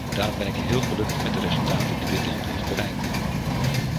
Daarom ben ik heel gelukkig met de resultaten die dit land heeft bereikt.